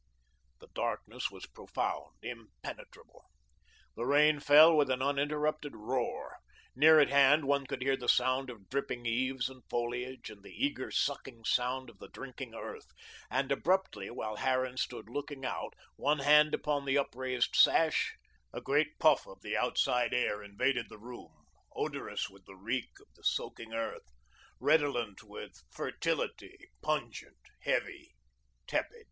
The darkness was profound, impenetrable; the rain fell with an uninterrupted roar. Near at hand one could hear the sound of dripping eaves and foliage and the eager, sucking sound of the drinking earth, and abruptly while Harran stood looking out, one hand upon the upraised sash, a great puff of the outside air invaded the room, odourous with the reek of the soaking earth, redolent with fertility, pungent, heavy, tepid.